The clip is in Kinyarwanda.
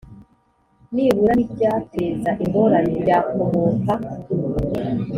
Nibura n ibyateza ingorane byakomoka